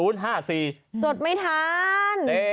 จดไม่ทัน